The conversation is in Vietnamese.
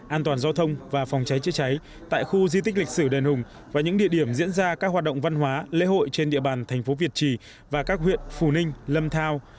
an toàn giao thông và phòng cháy chữa cháy tại khu di tích lịch sử đền hùng và những địa điểm diễn ra các hoạt động văn hóa lễ hội trên địa bàn thành phố việt trì và các huyện phù ninh lâm thao